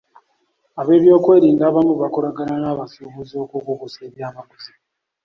Ab'ebyokwerinda abamu bakolagana n'abasuubuzi okukukusa eby'amaguzi.